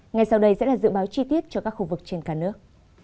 ngay sau đây sẽ là dự báo chi tiết cho các khu vực trên cả nước